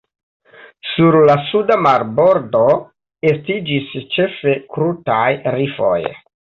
Sur la suda marbordo estiĝis ĉefe krutaj rifoj.